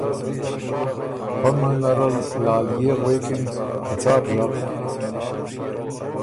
پۀ منځ نرل لالئے غوېکِن که ” څا بو ژغ